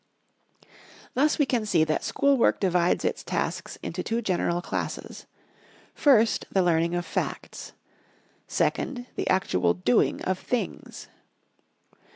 Thus we can see that school work divides its tasks into two general classes: First, the learning of facts. Second, the actual doing of things.